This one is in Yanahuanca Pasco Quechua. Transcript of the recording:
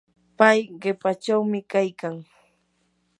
pay qipachawmi kaykan.